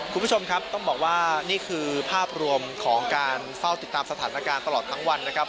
คุณผู้ชมครับต้องบอกว่านี่คือภาพรวมของการเฝ้าติดตามสถานการณ์ตลอดทั้งวันนะครับ